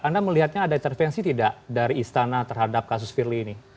anda melihatnya ada intervensi tidak dari istana terhadap kasus firly ini